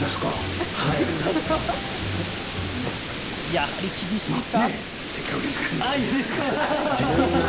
やはり厳しいか。